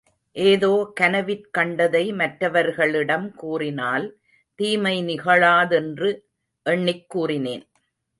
ஏதோ கனவிற் கண்டதை மற்றவர்களிடம் கூறினால் தீமை நிகழாதென்று எண்ணிக் கூறினேன்.